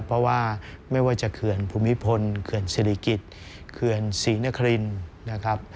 เพราะว่าไม่ว่าจะเขื่อนภูมิพลเขื่อนศิริกิจเขื่อนศรีนครินนะครับ